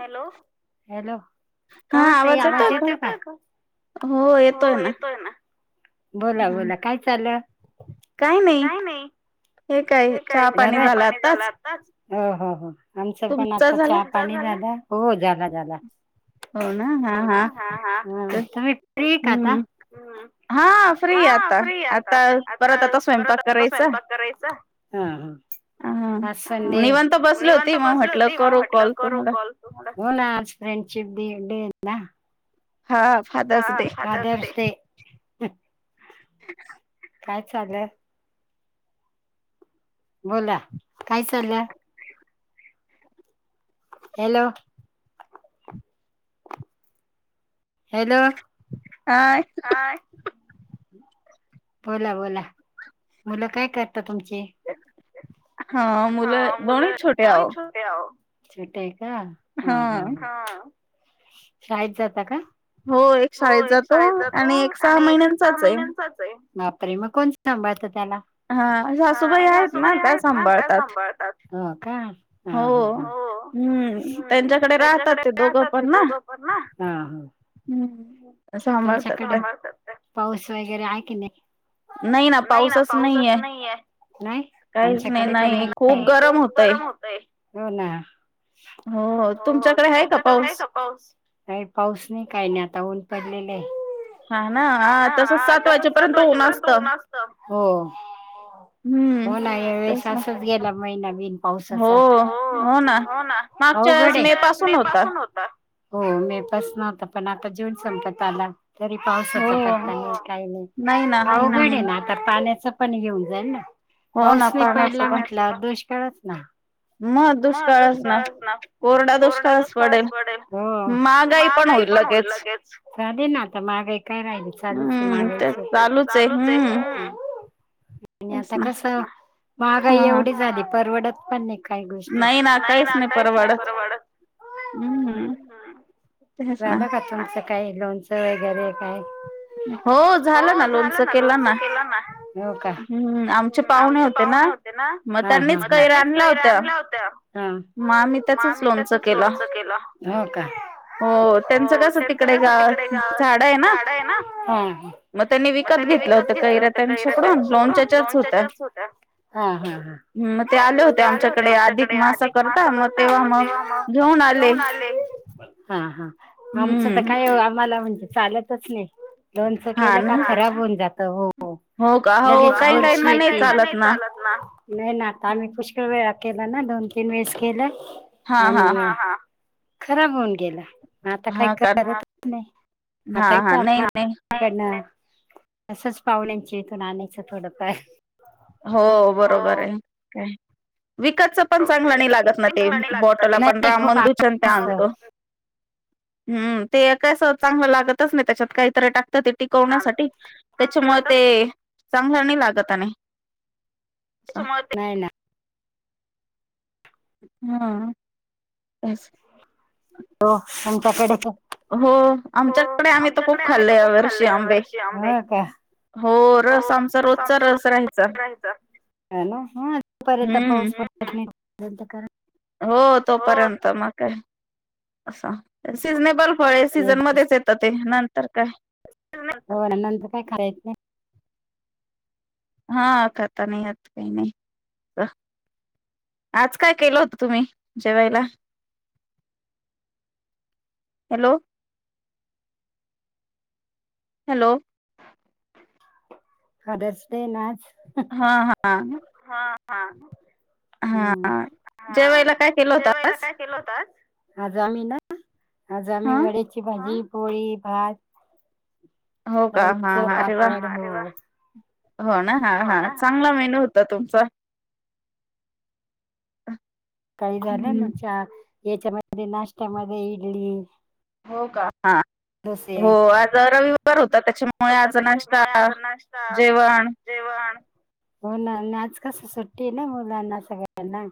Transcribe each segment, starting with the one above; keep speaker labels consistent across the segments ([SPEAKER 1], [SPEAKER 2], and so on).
[SPEAKER 1] Hello hello का होत आम [unintelligible] येत काय हो येतोय ना. बोला बोला काय चाललं.
[SPEAKER 2] काय नाही.
[SPEAKER 1] हे काय चहा पाणी झाला आताच. हो हो हो आमचं पण आता चहा पाणी झालं हो. झाला झाल तुम्ही फ्री आहे, का आता. हम हा फ्री आता आता परत आता स्वयंपाक करायचा. हा संडे निवांत [unintelligible] बसल होती, मग म्हटलं करू कॉल तुम्हाला. फ्रेंशिप डे डे हाय ना. ह [unintelligible]
[SPEAKER 2] ह [inaudible]
[SPEAKER 1] काय चालंय. बोला काय चाललं. हॅलो. हॅलो. बोला बोला मुलं काय करतात. तुम हा मुलं [unintelligible] हो छोट आहे, का हा हा शाळेत जाता का. हो एक शाळेत जातो आणि एक सहा महिन्यांचाच आहे, बापरे मग कोण सांभळतात. त्या हा हासूबाई आहेत ना त्या सांभाळतात. हो त्यांच्याकडे राहतात ते दोघं पण ना. तमच्याकडे पाऊस वगैरे आहे की नाही. नाही ना पाऊसच नाही आहे [unintelligible] आमच्याकडे पण खूप [unintelligible] होत हो ना हो तुमच्याकडे आहे, का पाऊस नाही पाऊस नाही. काही नाही आता ऊन पडलेले आहे. हा ना तस सात वाजेपर्यंत ऊन असत. हो ना या वेळेस असच गेला महिना बिन पावसाचा. पा मे पा [unintelligible] पण आता जून संपत आला. तरी पावसाचा पत्ता नाही काही नाही अवघड हाय ना तर पाण्याचा. पण घेऊन जाईल ना पाऊस नाही पडला म्हटला दोषकाळच ना.
[SPEAKER 2] मग दुष्काळच ना.
[SPEAKER 1] कोरडा दुष्काळच पडेल महागाई पण होईल लगेच. माग काय राहिल चालूच मागाय चालूच आहे. आणि आता कस महागाई एवढी झाली परवडत पण नाही का. काही गोष्टी नाही ना काहीच नाही परवाडत. झालं का तुमचं काही लोणचं वगैरे काय हो झाला ना लोनच केलं ना आमचे प हा हा होत्या मग म त्याचच लोनच केलं, हो त्यांचं कस तिकडे ग झाड आहे ना मग त्यांनी विकत घेतलं होत काैरातकडून लोनच्या होत्या
[SPEAKER 2] ह म ते आले होते्या आमच्याक
[SPEAKER 1] आमच्याकडे अधिक मास करत मग तेव्हा मग घेऊन आले आमच तर काय आम्हाला म्हणजे चालतच नाही लोनच केलं का खराब होऊन जात लगेच बरशी चामही पु वेळा केला ना दोन तीन वेळेस केलं आणि खराब होऊन गेला आता काही [unintelligible] नाही आताच आकनं [unintelligible] तसंच पाहुण्यांचीथून नाण्याचं थोडं फार
[SPEAKER 2] हो बरोबर आहे काय विकतच पण चांगलं नाही लागत ना ते बॉटल आपण राम मंदूचन त्या आणतो
[SPEAKER 1] [unintelligible]
[SPEAKER 2] हम् ते कस चांगलं लागतच नाही त्याच्यात काहीतरी टाक ते टिकवण्यासाठी, त्याच्यामुळे ते चांगल्यानी लागत आणि
[SPEAKER 1] नाही ना
[SPEAKER 2] हा [unintelligible]
[SPEAKER 1] हो आमच्या कडेच
[SPEAKER 2] हो आमच्याकडे आम्ही तर खूप खाल्ले वर्षी आंबे हो रस आमचा रोजचा रस राहायचा
[SPEAKER 1] ना हाोपर्यंत पाऊस पडत नाही करा,
[SPEAKER 2] हो तोपर्यंत म काय अस, सीझनेबल फळे आहे सीझन मध्येच येतं ते नंतर काय,
[SPEAKER 1] नंतर काय करायचं,
[SPEAKER 2] हा खात नाही यात काही नाही आज काय केलं होत तुम्ही जेवायला, [unintelligible] हॅलो हॅलो
[SPEAKER 1] फदर्स डे ना?
[SPEAKER 2] हा हा
[SPEAKER 1] हा
[SPEAKER 2] हा जे व्हाळेला काय केलं होता आज,
[SPEAKER 1] आज आम्ही ना आज आम्ही वड्याची भाजी पोळी भात,
[SPEAKER 2] हो का हा हा अरे वा हो ना हा हा चांगला मेनू हो तर तुमचा [unintelligible]
[SPEAKER 1] काळी झालं ना चहा त्यांच्यामध्ये नाश्ता मध्ये इडली
[SPEAKER 2] हो का ह हो आज रविवार होता त्यांच्यामुळे मुळे आज नाश्ता जेवण
[SPEAKER 1] हो ना आज कसं सुट्टी आहे ना मुलांना सगळ्यांना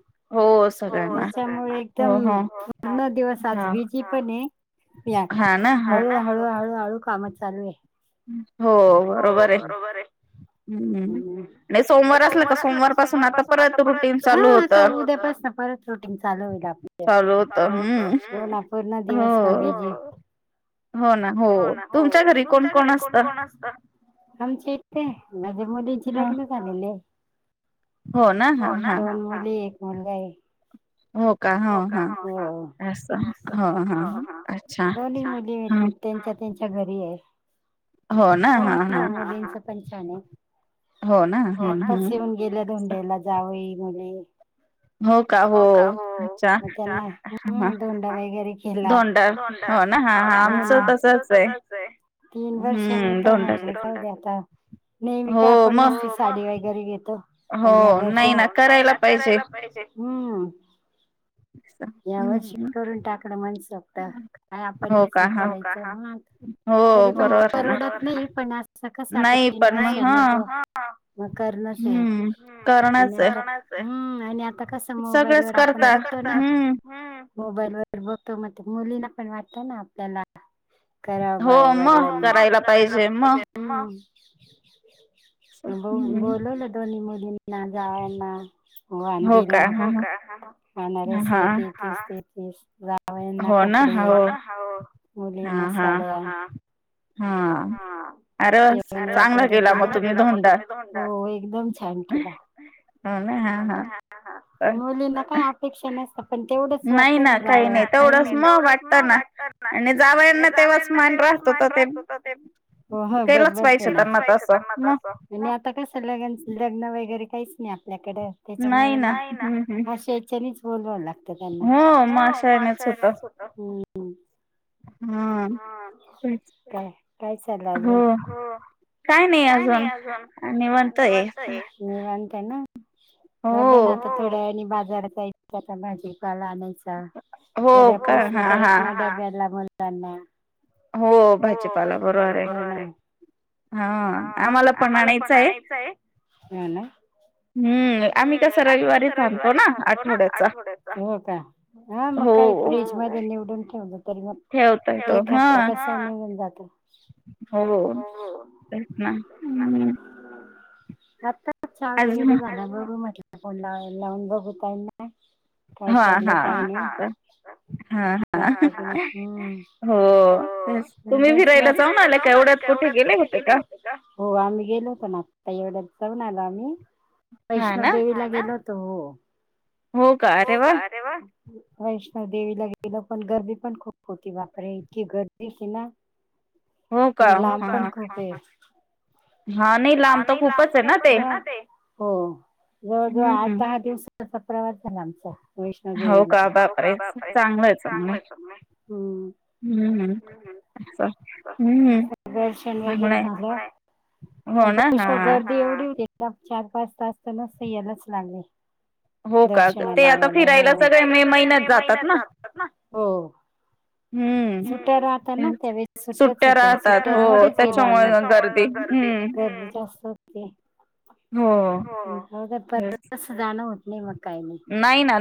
[SPEAKER 1] त्याच्यामुळे एकदम पूर्ण दिवस आज बीजी पण आहे या हळू हळू हळूहळू काम चालू आहेत हो बरोबर आहे
[SPEAKER 2] हम्मम
[SPEAKER 1] सोमवार असले का सोमवार पासून आता परत रूटीन चालू होतं ह् हो चालू होतं ह् नागपूरला दिवस बीजी हो ना हो तुमच्या घरी कोण कोण असतं माझ्या मुलींचे लग्न झालेले दोन मुली एक मुलगा ये हो का? हा हा, हो, अस हा हा, दोन्ही मुली त त्यांच्या त्यांच्या च्या घरी आहे.
[SPEAKER 2] हो ना, हा हा
[SPEAKER 1] पण छान आहे, हो ना, आताचं येऊन गेल्या धोंडेयाला जावई मुले
[SPEAKER 2] हो का? हो [unintelligible]
[SPEAKER 1] मग त्यांना धोडां वगैरे केला, धोंडा हो ना हा आमचं त चाच आय, तीन वर्षांनी येतोय, हम्म, म्हटलं जाऊदे आता नेहमी काय आपण नुसती, हो का, साडी वगै घरी घेतो पण या वर्ष, हो नाही ना करायला पाहिजे हम्म यावर्षी करून टाकलं मनसोक्त आणि आपणंच हे, हो का? हा, करायचं ना तरी पण [unintelligible] परवडत नई पण असं कसं आता तीन वर्षांनी, नई, येतो, बरोबर हा म करणच ये, हम्म आणि आ, करणच ये, हम्म कसं मोबाईल वर आपण बघतो ना हम्म मोबाईल वर बघतो म मुलीना पण वाटत ना आपल्याला करावं बाई वडलांनी, हो मग करायला पाहिजे न म हम्म बोउ बोलवलं दोन्ही मुलीं ना जावयाना, वांंदीला, हो का हा हा, आणारसे ते तीस ते ती तीस जावयांना कपडे, हो ना हो, मुलींना साड्या, हा हा जेवण वगैरे केलं, चांगल दिला मग तुम्ही धोंडा, हो एकदम छा
[SPEAKER 2] [unintelligible] हो ना, हा हा.
[SPEAKER 1] [unintelligible] मुलींना काही अपेक्षा नसतं पण तेवढंच वाटत ना जाव, नाही ना काही नई तेवढच मोबा तर ना आणि जावयांना तेव्हाच मान राहतो. त तेब, वह बरबर केल, केलच पाहिजे तर ना तस, [unintelligible] आता कस लगेंच लग्न वगैरे काहीच नाही आपल्याकड त्याच्यामुळे मग, नाही ना, आशा हेच्यानीच बोलावावं लाग त्यांना, ह् म् अशा येनच होतं हम्म
[SPEAKER 2] ह् तेच
[SPEAKER 1] काय चाललं आजून? हो काय नई अजून अ निवांत ये, निवा [unintelligible] झाला ना आता, हो, थोड्या वेळानी बाजाराचा [unintelligible] आता भाजीपाला आणायचा, उद्या पासनं परतन डब्याला मुलांना
[SPEAKER 2] हो भाजीपाला
[SPEAKER 1] जीपाला बरोबर ये, हा आम्हाला पण आणायचाय हो ना
[SPEAKER 2] हम्म.
[SPEAKER 1] हम्म आम्ही कसं रविवारीच आणतो ना आठवड्याचा, हो का? ह मग काय फ्रिज मधे निवडून ठेवलं तर मग एक हप्ता कसा निघून जातो.
[SPEAKER 2] हो तेच ना उ
[SPEAKER 1] आत्ता चा वगैरे झाला बघू म्हटलं फोन ला लावून बघू [unintelligible] काय चाललंय काय नई, हा हा [unintelligible]
[SPEAKER 2] हा हा, हो तेच तुम्ही फिर
[SPEAKER 1] तुम्ही फिरायला जाऊन आला काय एवढ्यात कुठे गेले होते का? हो आम्ही गेलो होतो ना आता एवढ्यात जाऊण आला आम्ही वैष्णव देवीला, हा ना, गेलोतो हो
[SPEAKER 2] हो का? अरे वा!
[SPEAKER 1] वैष्णव देवीला गेलो पण गर्दी पण खूप होती, बाप रे! इतकी गर्दी ती ना
[SPEAKER 2] हो का? हा हा हा नई लांब त खूपच ये ना ते
[SPEAKER 1] हो जवळ जवळ आठ दहा दिवसाचा प्रवास झाला आमचा वैष्णव देेवीला, हो का? बाप रे! चांगलं त म, हम्म हुं [unintelligible] दर्शन वगैरे झालं, [unintelligible] पण [unintelligible] गर्दी एवढी होती ना, चार पाच तास तर नुसतं यायलाच लागले. दर्शनाला हो का ते फिरायला सगळे मे महिन्यात जातात ना? हो हो [inaudible]
[SPEAKER 2] हम्म.
[SPEAKER 1] सुट्या राहता ना त्यावेळीच सुट्ट्याच होत्या सुट्ट्या सुट्ट्यांमध्येच गेलो हो त्याच्यामुळचं गर्दी जास्त होते हो मग आता तस जान होत नाही मंग काय नी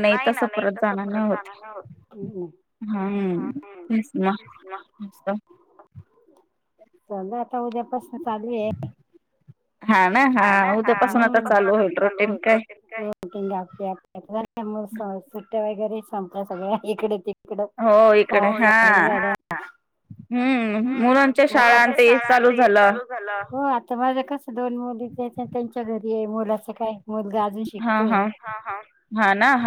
[SPEAKER 1] नाई ना नाई तस परत जाण नाई होत अ
[SPEAKER 2] हम्म तेच ना नुसता
[SPEAKER 1] ता उद्यापासन चालू ये हा ना हा उद्या पासून आता चालू होईल रुटीन काय [unintelligible] सुट्ट्या वगैरे संपल्या सगळं इकडे तिकड पाऊस चालू झाला [unintelligible] हम्म आता ते शळा तेन चालू झाल हो आता माझ्या क दोन मुली त्यांच्या त्यांच्या घरी हाय मुलाचं काय मुलगा अजून शिकतोय हा हा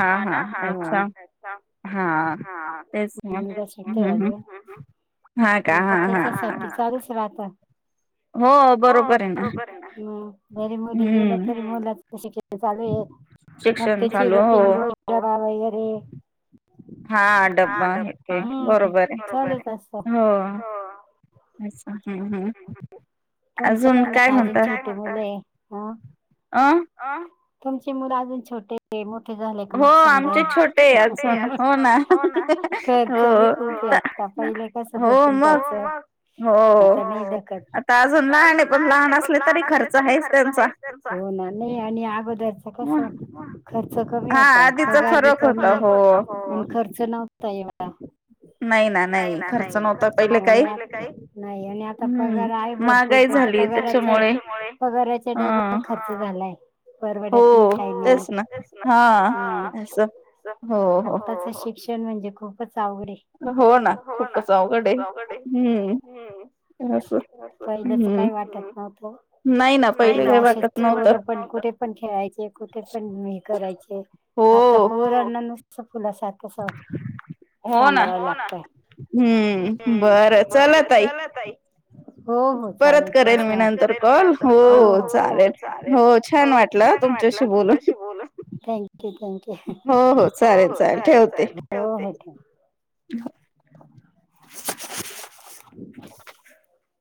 [SPEAKER 1] हा ना हा हाअच्छा हां मुलगा शिकतोय अजून हा आता त्याच्यासाठी चालूच राहत.
[SPEAKER 2] हो बरोबर ये ना.
[SPEAKER 1] म घरी मुली गेल्या तरी मुलाच शिक्षण चालू ये मग त्याची रुटीन रोज डबा वगैरे
[SPEAKER 2] हा डब्बा हे ते बरोबर हाय हो. [unintelligible] हम्म हं
[SPEAKER 1] तुमचं काय नाय अजून छोटी मुलं ये अं अं तुमची मुलं अजून छोटेय म ठी झाली की मग समजल हो आमचे छोटेय अजून हो ना खर्च बी खूप लागता पहिले कसं थकून जायचं हो मग
[SPEAKER 2] हो आता आज
[SPEAKER 1] आता अजून लहान हाय पण लहान असले तरी खर्च आहेच त्यांचा हो ना नई आणि अगोदरच कस खर्च कमी होता पगार कमी हो आणि खर्च चं नव्हता एवढा नाही ना नाही खर्च न्हवता पहिलं काई नाई आणि आता पगार आहे भरपूर पण पगाराच्या पगाराच्या डबल खर्च झालाय.
[SPEAKER 2] हो तेच ना हा अस हो हो.
[SPEAKER 1] शिक्षण म्हणजे खूपच अवघडये हो ना खूपच अवघड ये हम्म. पहिल्याच काय वाटत नव्हतं. पहिला असंच पोर पण कुठे पण खेळायचे कुठे पण हे करायचे आता पोरांना नुसत फुला सारखं सांभ सांभाळाला लाग
[SPEAKER 2] हम्म बरं चला ताई
[SPEAKER 1] हो हो चालेल तुमचा परत करेल मी नंतर कॉल हो चालेल हो छान वाटला तुमच्याशी बोलून थक्यू थँक्यू हो हो चालेल चालेल हो हो ठेव.
[SPEAKER 2] [inaudible]
[SPEAKER 1] [unintelligible]